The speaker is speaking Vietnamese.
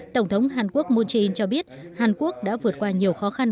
tổng thống hàn quốc moon jae in cho biết hàn quốc đã vượt qua nhiều khó khăn